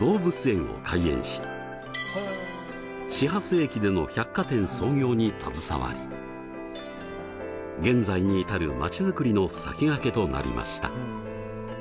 動物園を開園し始発駅での百貨店創業に携わり現在に至るまちづくりの先駆けとなりました。